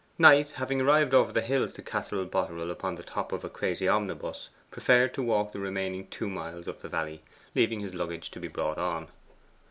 Knight having arrived over the hills to Castle Boterel upon the top of a crazy omnibus, preferred to walk the remaining two miles up the valley, leaving his luggage to be brought on.